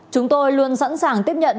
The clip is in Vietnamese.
chúng tôi luôn sẵn sàng tiếp nhận